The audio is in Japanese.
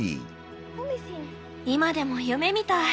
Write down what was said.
今でも夢みたい。